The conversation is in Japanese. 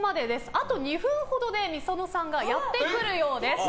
あと２分ほどでｍｉｓｏｎｏさんがやってくるようです。